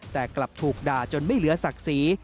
แต่กลับถูกด่าจนไม่เหลือศักดิ์ศรี